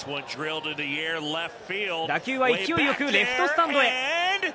打球は勢いよくレフトスタンドへ。